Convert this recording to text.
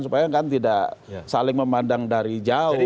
supaya kan tidak saling memandang dari jauh